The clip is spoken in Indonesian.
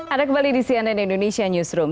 ada kembali di cnn indonesia newsroom